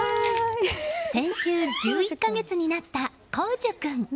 先週、１１か月になった幸寿君。